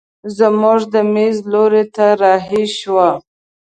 زموږ د مېز لور ته رارهي شوه.